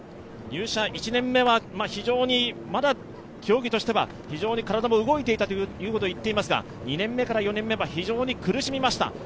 入社１年目はまだ競技としては非常に体も動いていたということを言っていますが２年目から４年目は非常に苦しみました。